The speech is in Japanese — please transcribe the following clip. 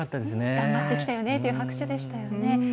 頑張ってきたよねという拍手でしたよね。